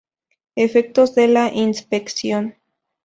Efectos de la inspección.